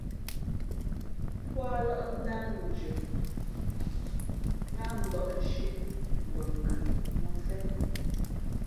Póalᾱʼ ndáh ndʉα láhmbᾱʼnshieʼ bα nkə mᾱ mfén.